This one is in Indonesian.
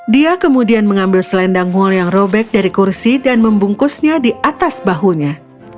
dia kemudian mengambil selendang mal yang robek dari kursi dan membungkusnya di atas bahunya